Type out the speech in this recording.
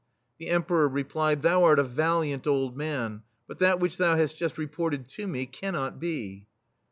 The Emperor replied :" Thou art a valiant old man, but that which thou hast just reported to me cannot be."